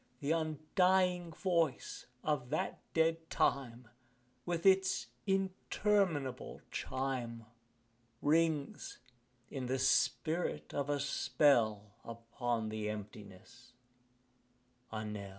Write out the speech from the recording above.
The undying voice of that dead time, With its interminable chime, Rings, in the spirit of a spell, Upon thy emptiness a knell.